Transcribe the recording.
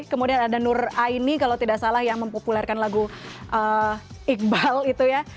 kemudian ada nur aini kalau tidak salah yang mempopulerkan lagu iqbal itu ya